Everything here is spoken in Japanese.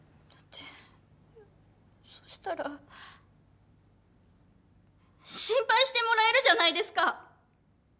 だってそしたら心配してもらえるじゃないですか。